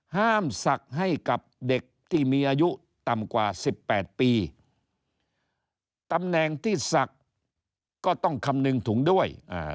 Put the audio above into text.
ศักดิ์ให้กับเด็กที่มีอายุต่ำกว่า๑๘ปีตำแหน่งที่ศักดิ์ก็ต้องคำนึงถุงด้วย